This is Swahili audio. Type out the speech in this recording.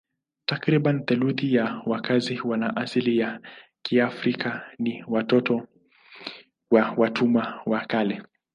Takriban theluthi ya wakazi wana asili ya Kiafrika ni watoto wa watumwa wa kale.